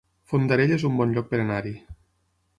Fondarella es un bon lloc per anar-hi